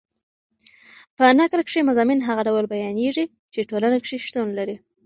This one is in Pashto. په نکل کښي مضامین هغه ډول بیانېږي، چي ټولنه کښي شتون لري.